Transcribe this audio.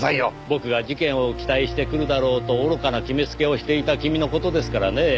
僕が事件を期待して来るだろうと愚かな決めつけをしていた君の事ですからねぇ。